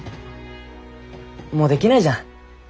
もうできないじゃん